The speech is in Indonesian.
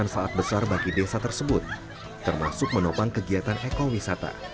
sebagai desa tersebut termasuk menopang kegiatan ekowisata